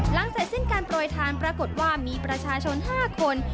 เสร็จสิ้นการโปรยทานปรากฏว่ามีประชาชน๕คน